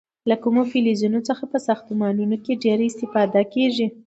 د کومو فلزونو څخه په ساختمانونو کې ډیره استفاده کېږي؟